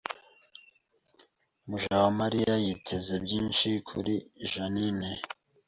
Mujawamariya yiteze byinshi kuri Jeaninne